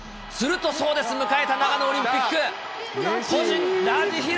するとそうです、迎えた長野オリンピック。